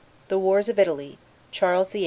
THE WARS OF ITALY. CHARLES VIII.